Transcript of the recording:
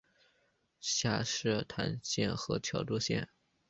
下设柘县和乔珠县。